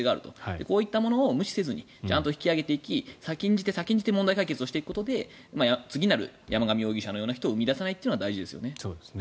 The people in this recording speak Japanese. こういったものを無視せずにちゃんと引き上げていき先んじて問題解決をしていくことで次なる山上容疑者のような人を生み出さないというのが大事ですよね。